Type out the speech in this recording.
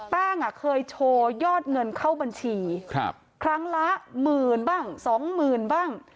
เคยโชว์ยอดเงินเข้าบัญชีครั้งละหมื่นบ้างสองหมื่นบ้าง